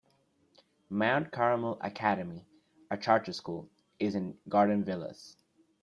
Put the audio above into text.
Mount Carmel Academy, a charter school, is in Garden Villas.